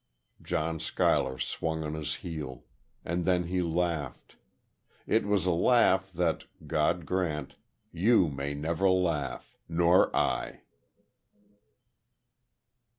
John Schuyler swung on his heel. And then he laughed; it was a laugh that, God grant, you may never laugh, nor I!